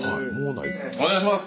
お願いします！